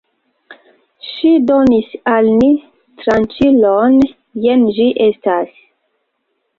Ŝi donis al ni tranĉilon, jen ĝi estas!